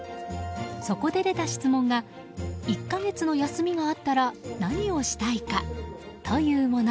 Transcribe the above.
そこで出た質問が１か月の休みがあったら何をしたいか？というもの。